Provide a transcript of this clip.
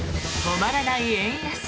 止まらない円安。